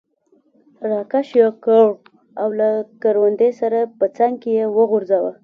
را کش یې کړ او له کروندې سره په څنګ کې یې وغورځاوه.